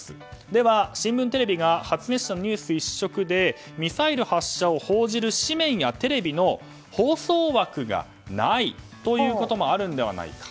では新聞、テレビが発熱者のニュース一色でミサイル発射を報じる紙面やテレビの放送枠がないということもあるのではないか。